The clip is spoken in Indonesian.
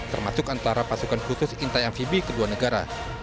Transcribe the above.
termasuk antara pasukan khusus intai amfibi kedua negara